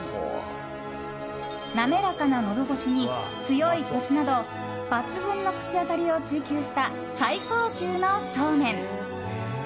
滑らかなのど越しに強いコシなど抜群の口当たりを追求した最高級のそうめん。